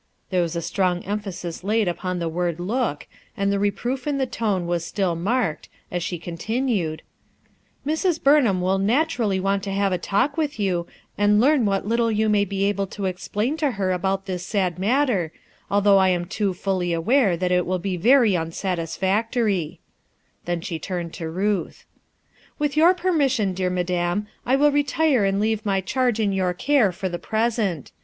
There was a strong emphasis laid upon the word "look" and the reproof in the tone was still marked, as she con tinued: — "Mrs. Burnham will naturally want to have a talk with you, and learn what little you may Ixs able to explain to her about this sad matter, although I am too fully aware that it will bo 270 RUTH EUSKINE'S SON very unsatisfactory/' Then she turned to Ruth. "With your permission, dear madam, I win retire and leave my charge in your care for the present.